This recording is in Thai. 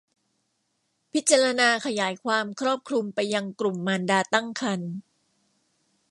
พิจารณาขยายความครอบคลุมไปยังกลุ่มมารดาตั้งครรภ์